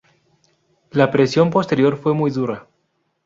La represión posterior fue muy dura.